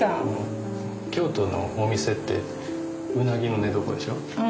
京都のお店ってうなぎの寝床でしょう？